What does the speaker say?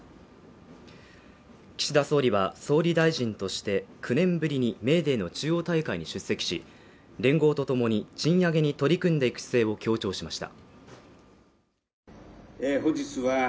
岸田総理は総理大臣として、９年ぶりにメーデーの中央大会に出席し、連合とともに、賃上げに取り組んでいく姿勢を強調しました。